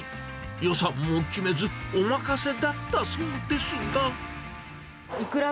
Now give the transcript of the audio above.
予算も決めず、おまかせだったそうですが。